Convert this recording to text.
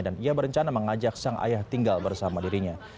dan ia berencana mengajak sang ayah tinggal bersama dirinya